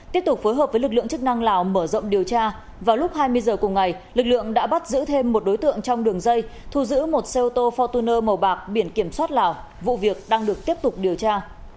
tiếp tục phối hợp với lực lượng chức năng lào mở rộng điều tra vào lúc hai mươi h cùng ngày lực lượng đã bắt giữ thêm một đối tượng trong đường dây thu giữ một xe ô tô fortuner màu bạc biển kiểm soát lào vụ việc đang được tiếp tục điều tra